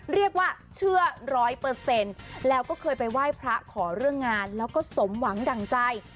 เรียกว่าเชื่อร้อยเปอร์เซ็นต์แล้วก็เคยไปไหว้พระขอเรื่องงานแล้วก็สมหวังดั่งใจ